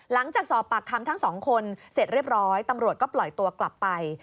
หลังจากสอบปากคำทั้งสองคนเสร็จเรียบร้อยตำรวจก็ปล่อยตัวกลับไป